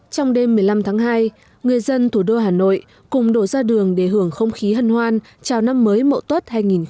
trong đêm một mươi năm tháng hai người dân thủ đô hà nội cùng đổ ra đường để hưởng không khí hân hoan chào năm mới mậu tuất hai nghìn hai mươi